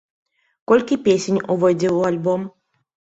Колькі песень увойдзе ў альбом?